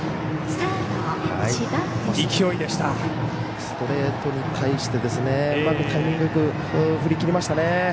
ストレートに対してうまくタイミングよく振り切りましたね。